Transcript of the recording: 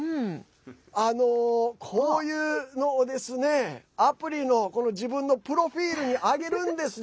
こういうのをですねアプリの自分のプロフィールに上げるんですね